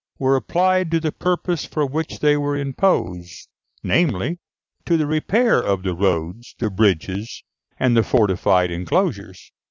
were applied to the purposes for which they were imposed, namely, to the repair of the roads, the bridges, and the fortified enclosures.